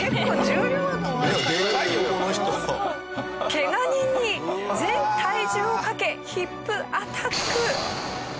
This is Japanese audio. ケガ人に全体重をかけヒップアタック！